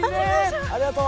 ありがとう。